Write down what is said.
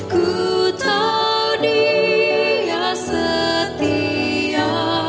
ku tahu dia setia